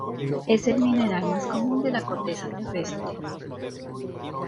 Es el mineral más común de la corteza terrestre.